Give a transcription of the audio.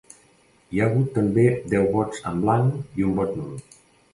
Hi ha hagut també deu vots en blanc i un vot nul.